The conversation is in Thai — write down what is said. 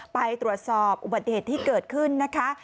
ไปตรวจสอบอุบัติเหตุที่เกิดขึ้นนะคะ